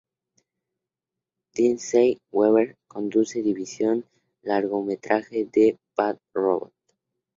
Lindsey Weber conduce división largometraje de Bad Robot.